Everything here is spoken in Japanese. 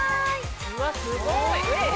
うわすごい。